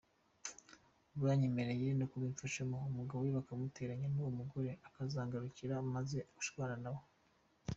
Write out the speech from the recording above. Banyemereye no kubimufashamo umugabo we bakamuteranya n’uwo mugore akazangarukira amaze gushwana na we.